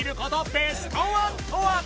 ベストワンとは？